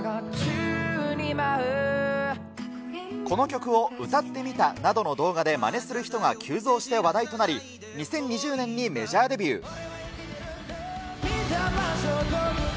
この曲を歌ってみたなどの動画でまねする人が急増して話題となり、２０２０年にメジャーデビュー。